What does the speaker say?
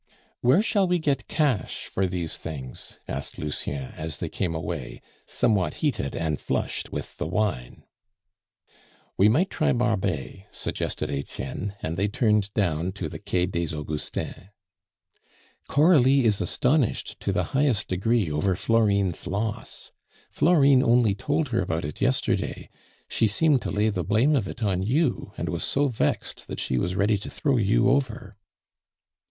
"Where shall we get cash for these things?" asked Lucien as they came away, somewhat heated and flushed with the wine. "We might try Barbet," suggested Etienne, and they turned down to the Quai des Augustins. "Coralie is astonished to the highest degree over Florine's loss. Florine only told her about it yesterday; she seemed to lay the blame of it on you, and was so vexed, that she was ready to throw you over."